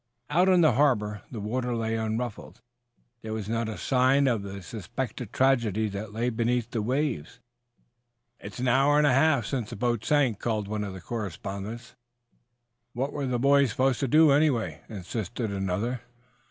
Out on the harbor the water lay unruffled. There was not a sign of the suspected tragedy that lay beneath the waves. "It's an hour and a half since the boat sank," called one of the correspondents. "What were the boys supposed to do, anyway?" insisted another.